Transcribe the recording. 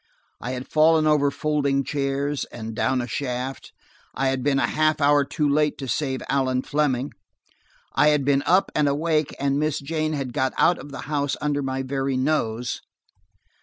I had fallen over folding chairs and down a shaft; I had been a half hour too late to save Allan Fleming; I had been up and awake, and Miss Jane had got out of the house under my very nose.